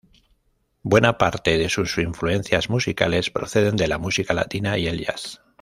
Buena parte de sus influencias musicales proceden de la música latina y el jazz.